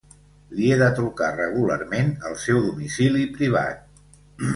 Li he de trucar regularment al seu domicili privat.